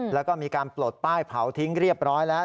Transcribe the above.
แล้วก็มีการปลดป้ายเผาทิ้งเรียบร้อยแล้ว